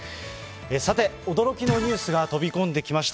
さて、驚きのニュースが飛び込んできました。